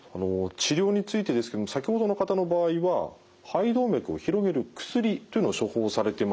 治療についてですけども先ほどの方の場合は肺動脈を広げる薬というのを処方されてました。